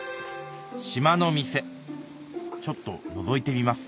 島の店ちょっとのぞいてみます